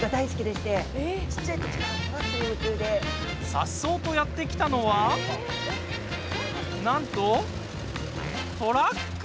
さっそうとやって来たのはなんと、トラック。